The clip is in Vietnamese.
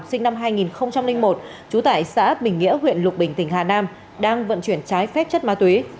sinh năm hai nghìn một trú tại xã bình nghĩa huyện lục bình tỉnh hà nam đang vận chuyển trái phép chất ma túy